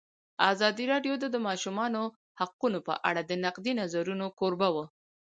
ازادي راډیو د د ماشومانو حقونه په اړه د نقدي نظرونو کوربه وه.